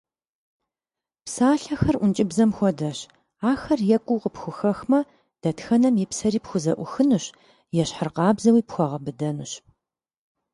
Псалъэхэр ӏункӏыбзэм хуэдэщ, ахэр екӏуу къыпхухэхмэ, дэтхэнэм и псэри пхузэӏухынущ, ещхьыркъабзэуи - пхуэгъэбыдэнущ.